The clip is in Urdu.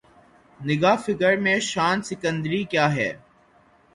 نگاہ فقر میں شان سکندری کیا ہے